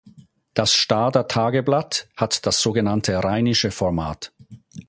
Das "Stader Tageblatt" hat das so genannte Rheinische Format.